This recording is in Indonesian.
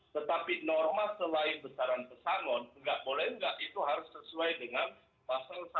tetapi norma selain besaran pesangon nggak boleh nggak itu harus sesuai dengan pasal satu ratus enam puluh satu sampai dengan pasal satu ratus tujuh puluh dua